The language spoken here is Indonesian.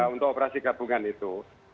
untuk operasi gabungan itu